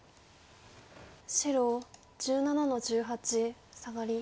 白１７の十八サガリ。